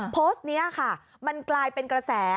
โพสต์นี้ค่ะมันกลายเป็นกระแส